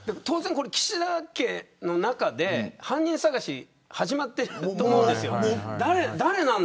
岸田家の中で犯人探し始まってると思うんです。